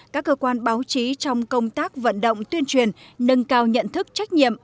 các cơ quan báo chí trong công tác vận động tuyên truyền nâng cao nhận thức trách nhiệm